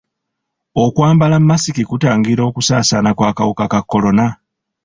Okwambala masiki kutangira okusaasaana kw'akawuka ka kolona?